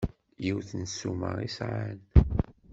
Yiwet n ssuma i sɛan?